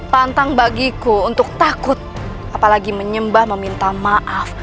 pantang bagiku untuk takut apalagi menyembah meminta maaf